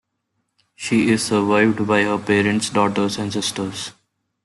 She is survived by her parents, daughter, and sister.